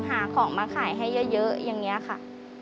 หาของมาขายให้เยอะอย่างนี้ค่ะ